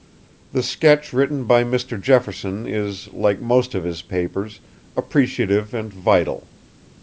The sketch written by Mr. Jefferson is, like most of his papers, appreciative and vital.